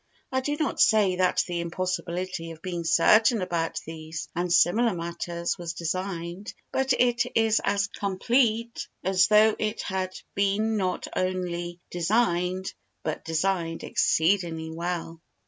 I do not say that the impossibility of being certain about these and similar matters was designed, but it is as complete as though it had been not only designed but designed exceedingly well.